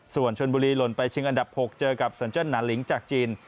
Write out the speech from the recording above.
ส่วนชนบุรีหล่นไปชิงอันดับ๖เจอกับสันเจิ้นหนาลิงจากจีน